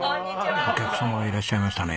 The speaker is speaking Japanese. お客様がいらっしゃいましたね。